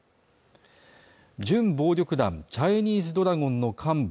準暴力団チャイニーズドラゴンの幹部